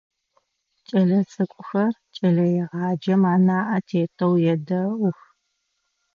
Кӏэлэцӏыкӏухэр кӏэлэегъаджэм анаӏэ тетэу едэӏух.